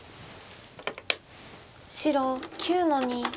白９の二。